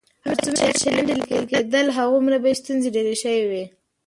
هر څومره چې شیان ډېر لیکل کېدل، همغومره به یې ستونزې ډېرې شوې.